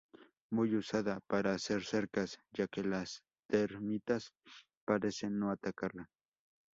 Muy usada para hacer cercas, ya que las termitas parecen no atacarla.